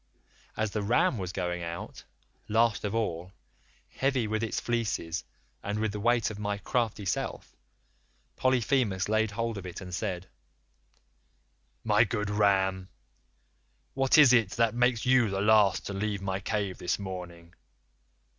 As the ram was going out, last of all, heavy with its fleece and with the weight of my crafty self, Polyphemus laid hold of it and said: "'My good ram, what is it that makes you the last to leave my cave this morning?